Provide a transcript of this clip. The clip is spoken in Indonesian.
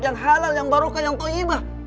yang halal yang barukan yang tohibah